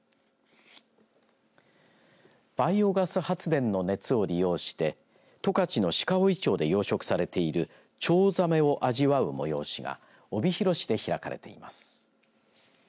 バイオガス発電の熱を利用して十勝の鹿追町で養殖されているチョウザメを味わう催しが帯広市で開かれています。